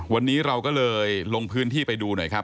วันนี้เราก็เลยลงพื้นที่ไปดูหน่อยครับ